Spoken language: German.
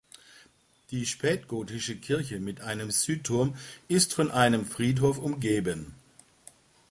Die spätgotische Kirche mit einem Südturm ist von einem Friedhof umgeben.